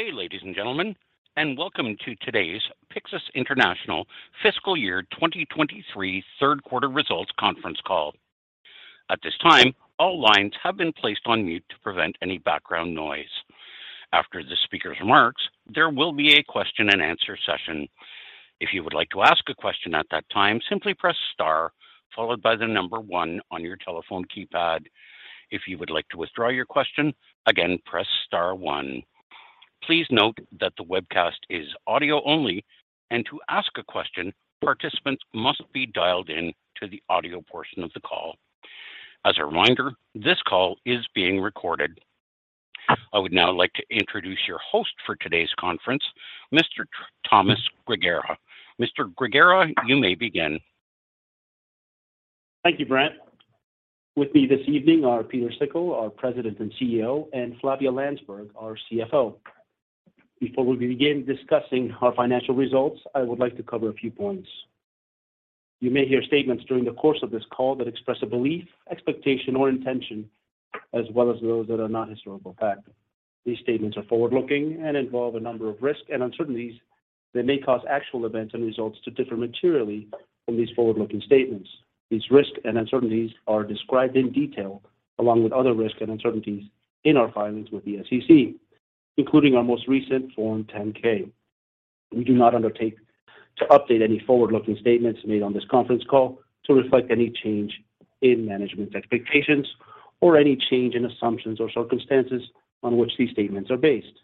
Good day, ladies and gentlemen, and welcome to today's Pyxus International Fiscal Year 2023 3rd quarter results conference call. At this time, all lines have been placed on mute to prevent any background noise. After the speaker's remarks, there will be a question-and-answer session. If you would like to ask a question at that time, simply press star followed by the number one on your telephone keypad. If you would like to withdraw your question, again, press star one. Please note that the webcast is audio only, and to ask a question, participants must be dialed in to the audio portion of the call. As a reminder, this call is being recorded. I would now like to introduce your host for today's conference, Mr. Tomas Grigera. Mr. Grigera, you may begin. Thank you, Brent. With me this evening are Pieter Sikkel, our President and CEO, and Flavia Landsberg, our CFO. Before we begin discussing our financial results, I would like to cover a few points. You may hear statements during the course of this call that express a belief, expectation, or intention, as well as those that are not historical fact. These statements are forward-looking and involve a number of risks and uncertainties that may cause actual events and results to differ materially from these forward-looking statements. These risks and uncertainties are described in detail along with other risks and uncertainties in our filings with the SEC, including our most recent Form 10-K. We do not undertake to update any forward-looking statements made on this conference call to reflect any change in management's expectations or any change in assumptions or circumstances on which these statements are based.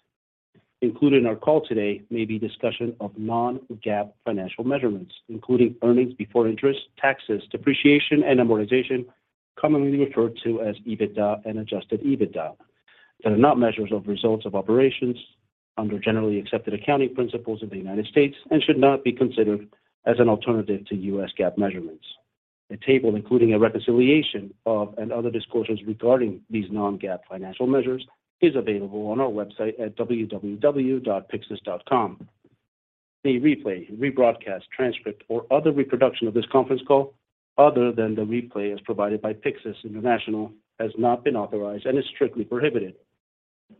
Included in our call today may be discussion of non-GAAP financial measurements, including earnings before interest, taxes, depreciation, and amortization, commonly referred to as EBITDA and Adjusted EBITDA, that are not measures of results of operations under generally accepted accounting principles of the United States and should not be considered as an alternative to U.S. GAAP measurements. A table including a reconciliation of, and other disclosures regarding these non-GAAP financial measures is available on our website at www.pyxus.com. Any replay, rebroadcast, transcript, or other reproduction of this conference call other than the replay as provided by Pyxus International has not been authorized and is strictly prohibited.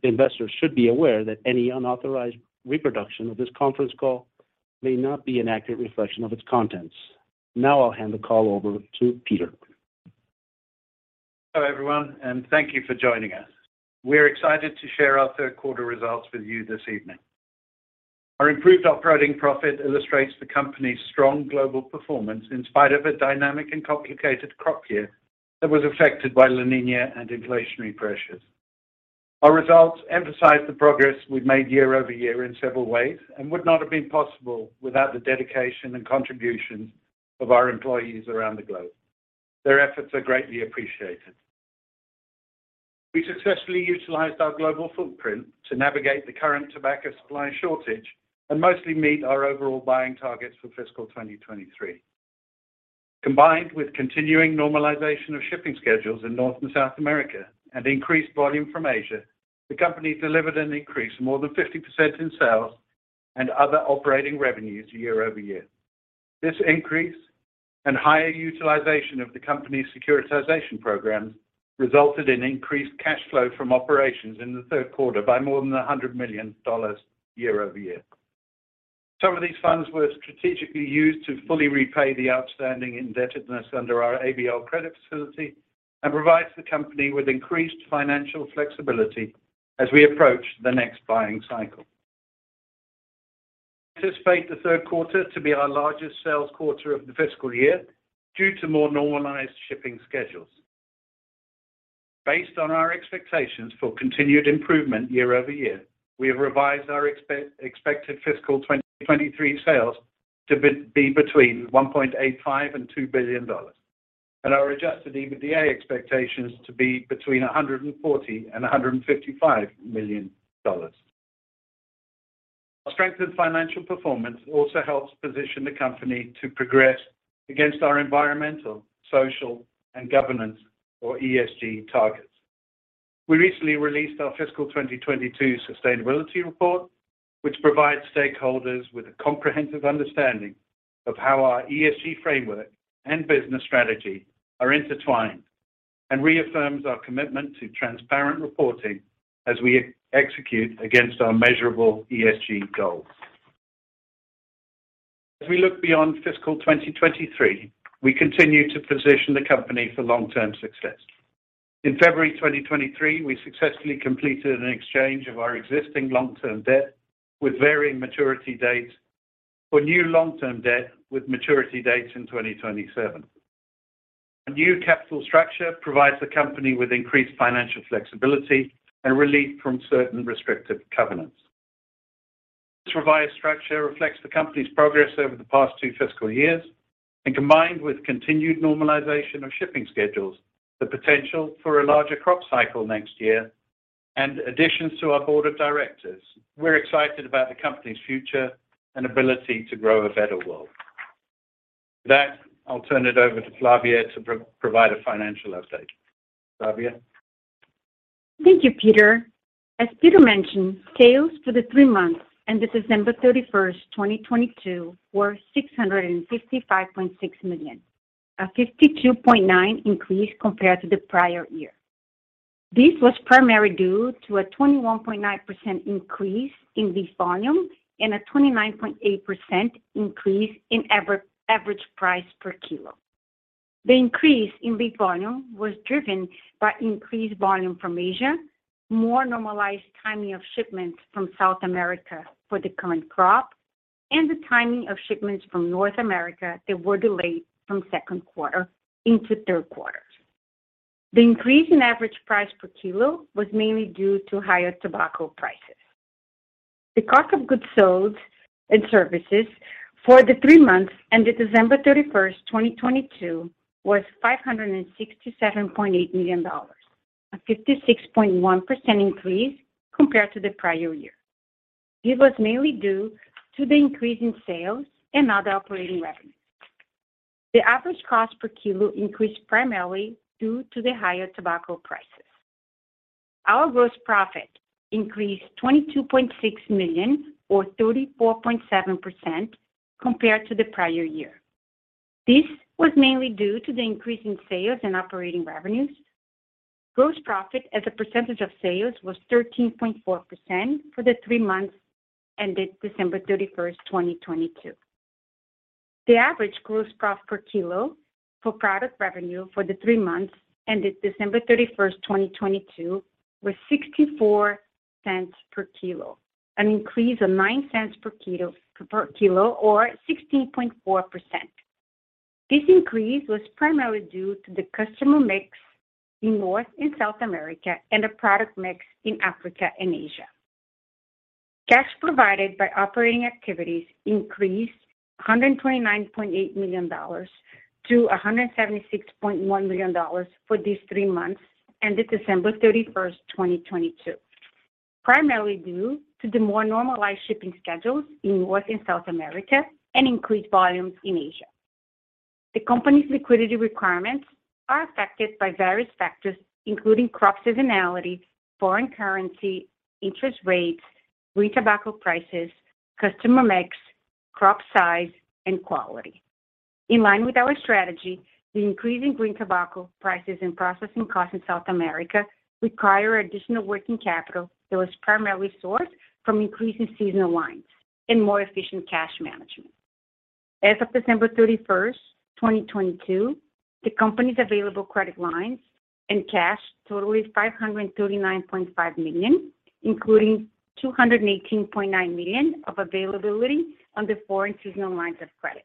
Investors should be aware that any unauthorized reproduction of this conference call may not be an accurate reflection of its contents. Now I'll hand the call over to Pieter. Hello, everyone, and thank you for joining us. We're excited to share our third quarter results with you this evening. Our improved operating profit illustrates the company's strong global performance in spite of a dynamic and complicated crop year that was affected by La Niña and inflationary pressures. Our results emphasize the progress we've made year-over-year in several ways and would not have been possible without the dedication and contributions of our employees around the globe. Their efforts are greatly appreciated. We successfully utilized our global footprint to navigate the current tobacco supply shortage and mostly meet our overall buying targets for fiscal 2023. Combined with continuing normalization of shipping schedules in North and South America and increased volume from Asia, the company delivered an increase more than 50% in sales and other operating revenues year-over-year. This increase and higher utilization of the company's securitization programs resulted in increased cash flow from operations in the third quarter by more than $100 million year-over-year. Some of these funds were strategically used to fully repay the outstanding indebtedness under our ABL credit facility and provides the company with increased financial flexibility as we approach the next buying cycle. We anticipate the third quarter to be our largest sales quarter of the fiscal year due to more normalized shipping schedules. Based on our expectations for continued improvement year-over-year, we have revised our expected fiscal 2023 sales to be between $1.85 billion and $2 billion, and our Adjusted EBITDA expectations to be between $140 million and $155 million. Our strengthened financial performance also helps position the company to progress against our environmental, social, and governance or ESG targets. We recently released our fiscal 2022 sustainability report, which provides stakeholders with a comprehensive understanding of how our ESG framework and business strategy are intertwined and reaffirms our commitment to transparent reporting as we execute against our measurable ESG goals. As we look beyond fiscal 2023, we continue to position the company for long-term success. In February 2023, we successfully completed an exchange of our existing long-term debt with varying maturity dates for new long-term debt with maturity dates in 2027. Our new capital structure provides the company with increased financial flexibility and relief from certain restrictive covenants. This revised structure reflects the company's progress over the past two fiscal years, and combined with continued normalization of shipping schedules, the potential for a larger crop cycle next year, and additions to our board of directors, we're excited about the company's future and ability to grow a better world. With that, I'll turn it over to Flavia Landsberg to provide a financial update. Flavia Landsberg? Thank you, Pieter. As Pieter mentioned, sales for the three months end of December 31st, 2022 were $655.6 million. A 52.9% increase compared to the prior year. This was primarily due to a 21.9% increase in leaf volume and a 29.8% increase in average price per kilo. The increase in leaf volume was driven by increased volume from Asia, more normalized timing of shipments from South America for the current crop, and the timing of shipments from North America that were delayed from second quarter into third quarter. The increase in average price per kilo was mainly due to higher tobacco prices. The cost of goods sold and services for the three months ended December 31st, 2022 was $567.8 million, a 56.1% increase compared to the prior year. This was mainly due to the increase in sales and other operating revenues. The average cost per kilo increased primarily due to the higher tobacco prices. Our gross profit increased $22.6 million or 34.7% compared to the prior year. This was mainly due to the increase in sales and operating revenues. Gross profit as a percentage of sales was 13.4% for the three months ended December 31, 2022. The average gross profit per kilo for product revenue for the three months ended December 31, 2022 was $0.64 per kilo, an increase of $0.09 per kilo or 16.4%. This increase was primarily due to the customer mix in North and South America and a product mix in Africa and Asia. Cash provided by operating activities increased $129.8 million-$176.1 million for these three months ended December 31st, 2022, primarily due to the more normalized shipping schedules in North and South America and increased volumes in Asia. The company's liquidity requirements are affected by various factors, including crop seasonality, foreign currency, interest rates, green tobacco prices, customer mix, crop size, and quality. In line with our strategy, the increase in green tobacco prices and processing costs in South America require additional working capital that was primarily sourced from increasing seasonal lines and more efficient cash management. As of December 31st, 2022, the company's available credit lines and cash totaling $539.5 million, including $218.9 million of availability under foreign seasonal lines of credit.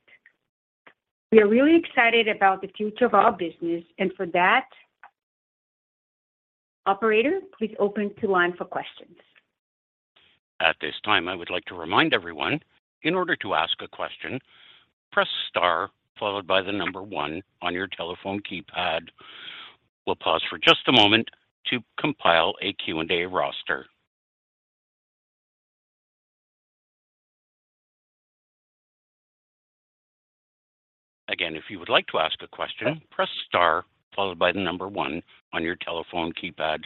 We are really excited about the future of our business. For that... Operator, please open to line for questions. At this time, I would like to remind everyone, in order to ask a question, press star followed by the one on your telephone keypad. We'll pause for just a moment to compile a Q&A roster. Again, if you would like to ask a question, press star followed by the one on your telephone keypad.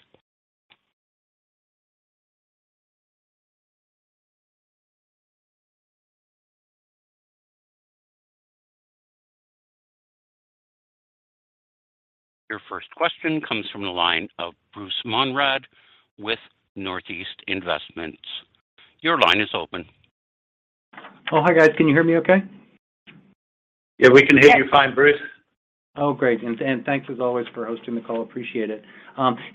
Your first question comes from the line of Bruce Monrad with Northeast Investments. Your line is open. Oh, hi, guys. Can you hear me okay? Yeah, we can hear you fine, Bruce. Oh, great. Thanks as always for hosting the call. Appreciate it.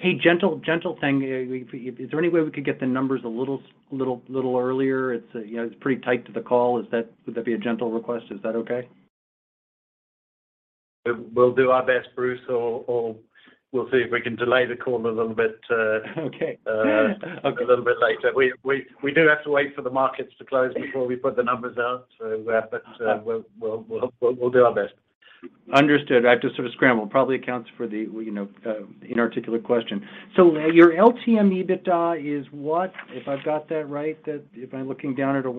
Hey, gentle thing. Is there any way we could get the numbers a little earlier? It's, you know, it's pretty tight to the call. Is that... Would that be a gentle request? Is that okay? We'll do our best, Bruce, or we'll see if we can delay the call a little bit. Okay. a little bit later. We do have to wait for the markets to close before we put the numbers out, so, but, we'll do our best. Understood. I have to sort of scramble. Probably accounts for the, well, you know, inarticulate question. Your LTM EBITDA is what? If I've got that right, that if I'm looking down at a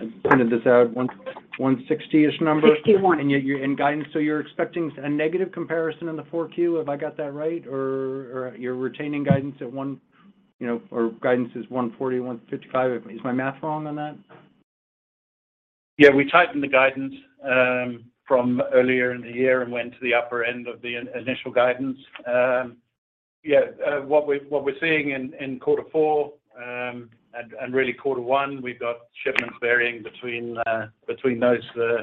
160-ish number. Sixty-one. In guidance, you're expecting a negative comparison on Q4, have I got that right? Or you're retaining guidance, you know, or guidance is $140 million-$155 million. Is my math wrong on that? We tightened the guidance from earlier in the year and went to the upper end of the initial guidance. What we're seeing in quarter 4, and really quarter 1, we've got shipments varying between those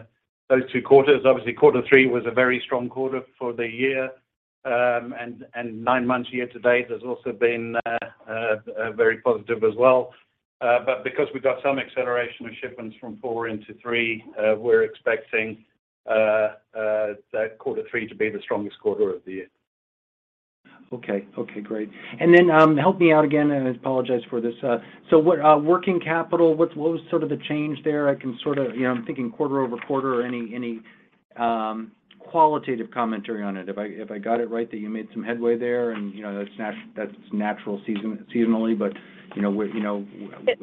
two quarters. Obviously, quarter 3 was a very strong quarter for the year. Nine months year to date has also been very positive as well. Because we've got some acceleration with shipments from four into three, we're expecting that quarter 3 to be the strongest quarter of the year. Okay. Okay, great. Then, help me out again, and I apologize for this. So what, working capital, what was sort of the change there? I can sort of... You know, I'm thinking quarter-over-quarter or any qualitative commentary on it. If I got it right that you made some headway there and, you know, that's natural seasonally, but, you know, with, you know,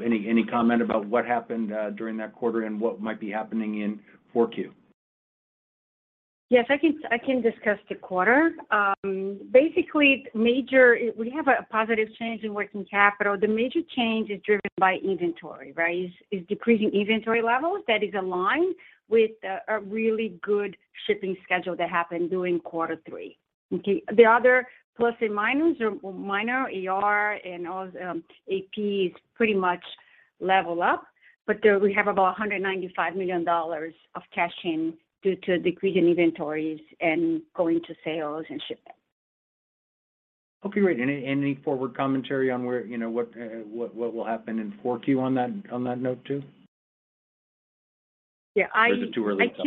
any comment about what happened during that quarter and what might be happening in 4Q? Yes, I can discuss the quarter. Basically, we have a positive change in working capital. The major change is driven by inventory, right? Is decreasing inventory levels that is aligned with a really good shipping schedule that happened during quarter three. Okay. The other plus and minus are minor, AR and AP is pretty much level up. There we have about $195 million of cash in due to decreasing inventories and going to sales and shipping. Okay, great. Any, any forward commentary on where, you know, what will happen in 4Q on that note too? Yeah. Is it too early to tell?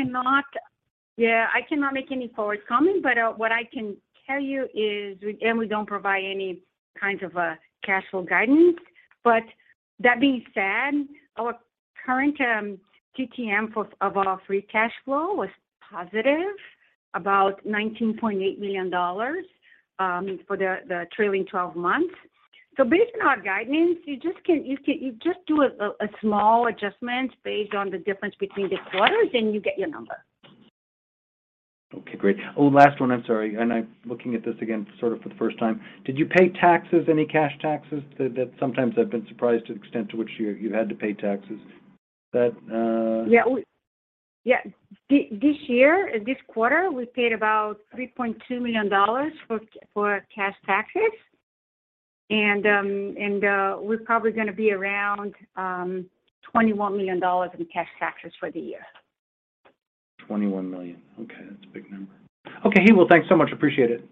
I cannot make any forward comment, but what I can tell you is we don't provide any kinds of cash flow guidance. That being said, our current TTM of our free cash flow was positive, about $19.8 million for the trailing twelve months. Based on our guidance, you just do a small adjustment based on the difference between the quarters, and you get your number. Okay, great. Oh, last one. I'm sorry. I'm looking at this again sort of for the first time. Did you pay taxes, any cash taxes? That sometimes I've been surprised at the extent to which you had to pay taxes. Yeah. Yeah. This year, this quarter, we paid about $3.2 million for cash taxes. We're probably gonna be around $21 million in cash taxes for the year. $21 million. Okay. That's a big number. Okay. Well, thanks so much. Appreciate it.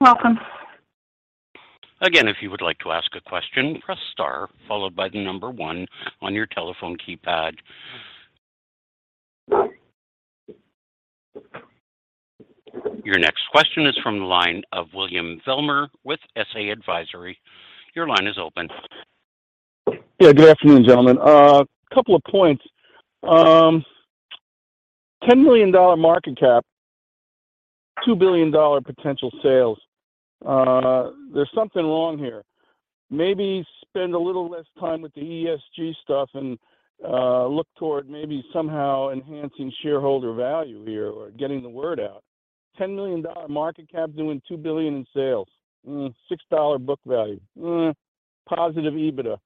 Welcome. Again, if you would like to ask a question, press star followed by the number one on your telephone keypad. Your next question is from the line of William Villmer with S.A. Advisory. Your line is open. Yeah, good afternoon, gentlemen. Couple of points. $10 million market cap, $2 billion potential sales. There's something wrong here. Maybe spend a little less time with the ESG stuff and look toward maybe somehow enhancing shareholder value here or getting the word out. $10 million market cap doing $2 billion in sales. $6 book value. Positive EBITDA.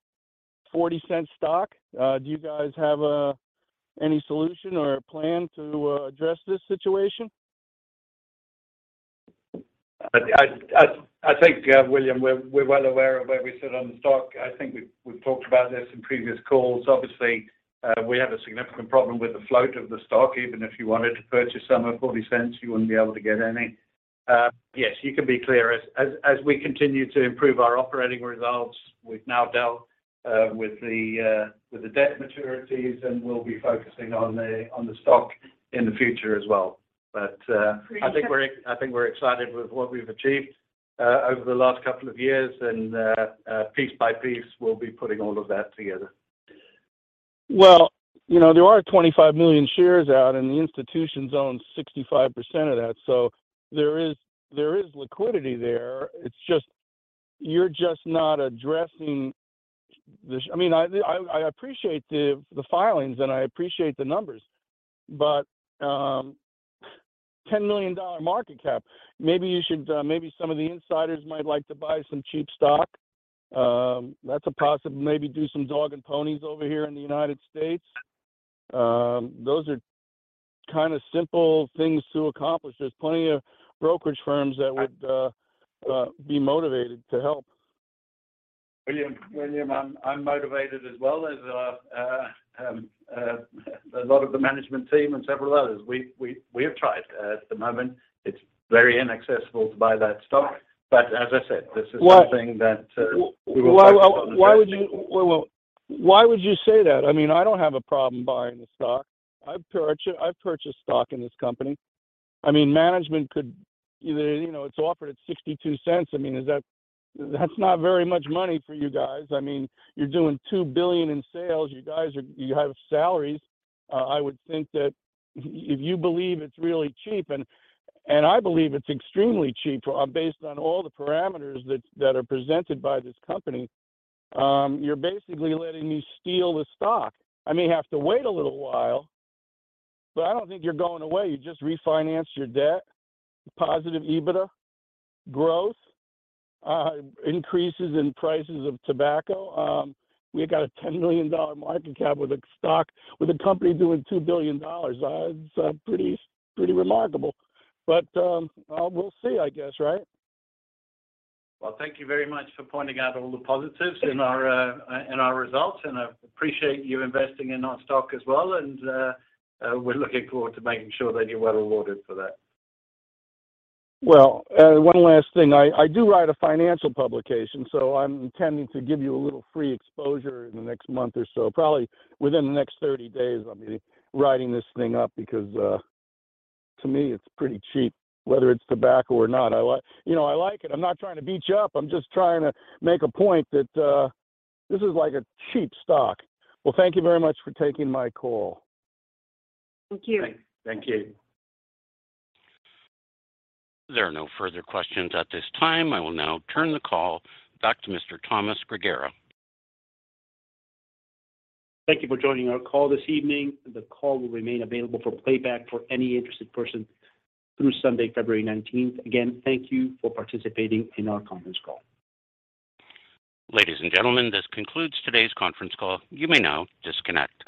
$0.40 stock. Do you guys have any solution or a plan to address this situation? I think, William, we're well aware of where we sit on the stock. I think we've talked about this in previous calls. Obviously, we have a significant problem with the float of the stock. Even if you wanted to purchase some at $0.40, you wouldn't be able to get any. Yes, you can be clear as we continue to improve our operating results, we've now dealt with the debt maturities, and we'll be focusing on the stock in the future as well. I think we're. We- I think we're excited with what we've achieved over the last couple of years, and piece by piece, we'll be putting all of that together. Well, you know, there are 25 million shares out, and the institutions own 65% of that. There is liquidity there. It's just, you're just not addressing the... I mean, I appreciate the filings, and I appreciate the numbers. $10 million market cap. Maybe you should, maybe some of the insiders might like to buy some cheap stock. That's a maybe do some dog and ponies over here in the United States. Those are kinda simple things to accomplish. There's plenty of brokerage firms that would be motivated to help. William, I'm motivated as well as a lot of the management team and several others. We have tried. At the moment, it's very inaccessible to buy that stock. As I said, this is something that we will. Well, why would you say that? I mean, I don't have a problem buying the stock. I've purchased stock in this company. I mean, management could either. You know, it's offered at $0.62. I mean, that's not very much money for you guys. I mean, you're doing $2 billion in sales. You guys have salaries. I would think that if you believe it's really cheap, and I believe it's extremely cheap, based on all the parameters that are presented by this company, you're basically letting me steal the stock. I may have to wait a little while, but I don't think you're going away. You just refinanced your debt, positive EBITDA, growth, increases in prices of tobacco. We've got a $10 million market cap with a company doing $2 billion. It's pretty remarkable. We'll see, I guess, right? Well, thank you very much for pointing out all the positives in our, in our results. I appreciate you investing in our stock as well, and, we're looking forward to making sure that you're well rewarded for that. One last thing. I do write a financial publication, so I'm intending to give you a little free exposure in the next month or so. Probably within the next 30 days, I'll be writing this thing up because, to me, it's pretty cheap, whether it's tobacco or not. you know, I like it. I'm not trying to beat you up. I'm just trying to make a point that, this is like a cheap stock. Thank you very much for taking my call. Thank you. Thank you. There are no further questions at this time. I will now turn the call back to Mr. Tomas Grigera. Thank you for joining our call this evening. The call will remain available for playback for any interested person through Sunday, February nineteenth. Again, thank you for participating in our conference call. Ladies and gentlemen, this concludes today's conference call. You may now disconnect.